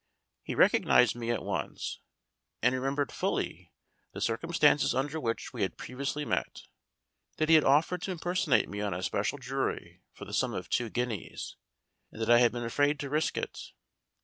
He recognized me at once, and remembered fully the circumstances under which we had previously met that he had offered to impersonate me on a special jury for the sum of two guineas, and that I had been afraid to risk it.